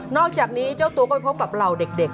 อกจากนี้เจ้าตัวก็ไปพบกับเหล่าเด็ก